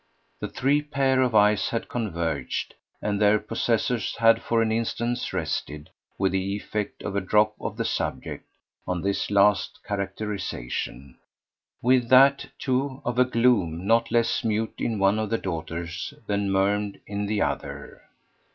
The three pair of eyes had converged, and their possessors had for an instant rested, with the effect of a drop of the subject, on this last characterisation with that, too, of a gloom not less mute in one of the daughters than murmured in the other.